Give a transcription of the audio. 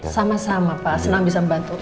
sama sama pak senam bisa membantu